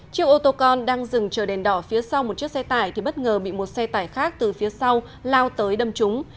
chiếc ô tô con đang dừng chờ đèn đỏ phía sau một chiếc xe tải thì bất ngờ bị một xe tải khác từ phía sau lao tới đâm chúng